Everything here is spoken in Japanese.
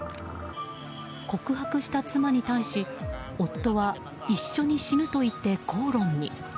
告白した妻に対し夫は一緒に死ぬといって口論に。